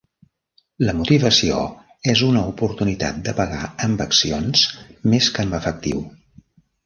La motivació és una oportunitat de pagar amb accions més que amb efectiu.